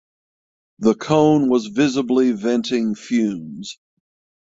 The cone was visibly venting fumes.